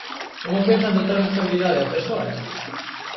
Como pensan dotar de estabilidade ao persoal?